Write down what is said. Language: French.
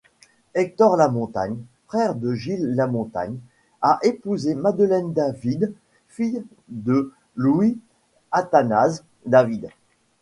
Hector Lamontagne, frère de Gilles Lamontagne, a épousé Madeleine David, fille de Louis-Athanase David.